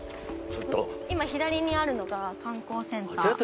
今左にあるのが観光センター。